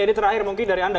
ini terakhir mungkin dari anda